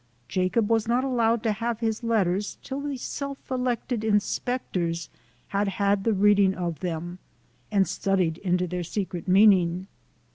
Jacob was not allowed to have his letters till the self elected inspectors had had the reading of them, and studied into their secret meaning.